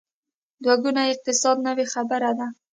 دوه ګونی اقتصاد نوې خبره ده.